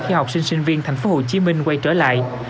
khi học sinh sinh viên tp hcm quay trở lại